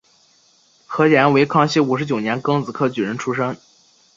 何衢为康熙五十九年庚子科举人出身。